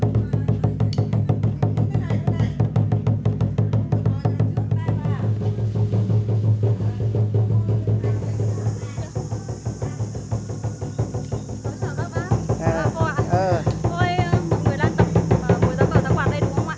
mọi người đang tập và mua giáo cờ giáo quạt đây đúng không ạ